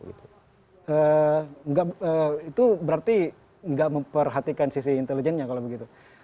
itu berarti nggak memperhatikan sisi intelijennya kalau begitu